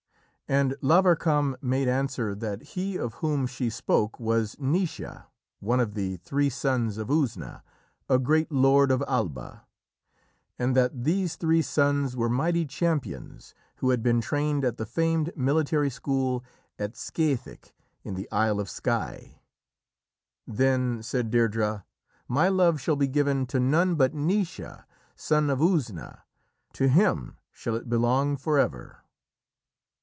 And Lavarcam made answer that he of whom she spoke was Naoise, one of the three sons of Usna, a great lord of Alba, and that these three sons were mighty champions who had been trained at the famed military school at Sgathaig in the Isle of Skye. Then said Deirdrê: "My love shall be given to none but Naoise, son of Usna. To him shall it belong forever."